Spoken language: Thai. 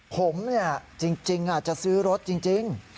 ผมจริงจะซื้อรถจริง